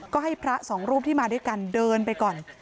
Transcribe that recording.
ก็ให้พระสองรูปที่มาด้วยกันเดินไปก่อน